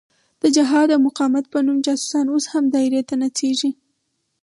د جهاد او مقاومت په نوم جاسوسان اوس هم دایرې ته نڅېږي.